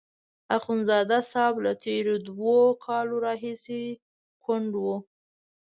اخندزاده صاحب له تېرو دوو کالو راهیسې کونډ وو.